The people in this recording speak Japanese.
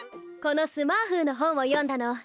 このスマーフーの本を読んだの。